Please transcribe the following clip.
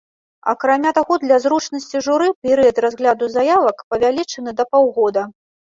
Акрамя таго, для зручнасці журы перыяд разгляду заявак павялічаны да паўгода.